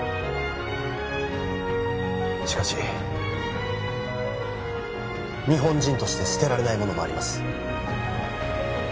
しかし日本人として捨てられないものもあります